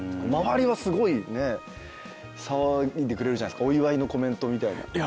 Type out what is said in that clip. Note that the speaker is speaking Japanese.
周りはすごい騒いでくれるじゃないですかお祝いのコメントみたいな。